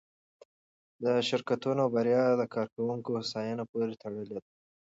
د شرکتونو بریا د کارکوونکو هوساینې پورې تړلې ده.